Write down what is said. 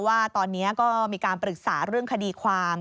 ว่าตอนนี้ก็มีการปรึกษาเรื่องคดีความ